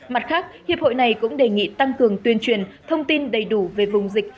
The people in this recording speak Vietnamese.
mặt khác hiệp hội này cũng đề nghị tăng cường tuyên truyền thông tin đầy đủ về vùng dịch